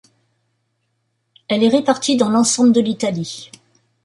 Elle est répartie dans l'ensemble de l'Italie.